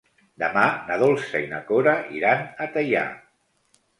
Demà na Dolça i na Cora iran a Teià.